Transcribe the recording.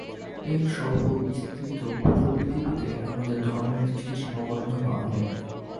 এই স্বল্প- বিস্তৃত ক্ষুদ্র পৃথিবীতেই আমাদের ধর্মের দৃষ্টি সীমাবদ্ধ নহে।